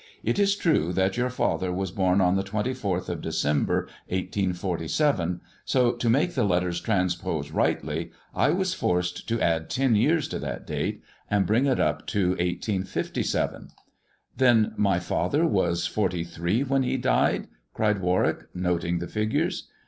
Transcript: " It is true that your father was born on the twenty fourth of December, 1847, so to make the letters transpose rightly, I was forced to add ten years to that date, and bring it up to 1857." " Then my father was forty three when he died," cried Warwick, noting the figures.